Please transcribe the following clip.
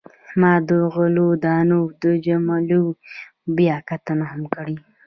ما د غلو دانو د جملو بیاکتنه هم کړې.